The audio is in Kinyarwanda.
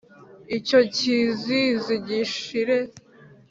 icyo kizizi gishire.